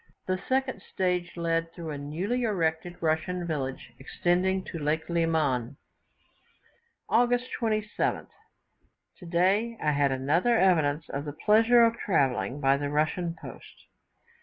The second stage led through a newly erected Russian village, extending to Lake Liman. August 27th. Today I had another evidence of the pleasure of travelling by the Russian post.